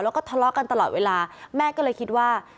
แล้วก็ทะเลาะกันตลอดเวลาแม่ก็เลยคิดว่า